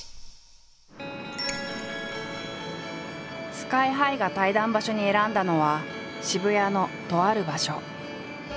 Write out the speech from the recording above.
ＳＫＹ−ＨＩが対談場所に選んだのは渋谷のとある場所。